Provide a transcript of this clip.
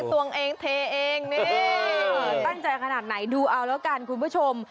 ตัวเองเทเองนี่ตั้งใจขนาดไหนดูเอาแล้วกันคุณผู้ชม